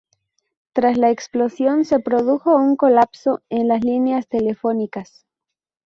Tras la explosión, se produjo un colapso en las líneas telefónicas.